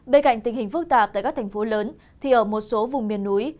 bên cạnh tình hình phức tạp tại các thành phố lớn thì ở một số vùng miền núi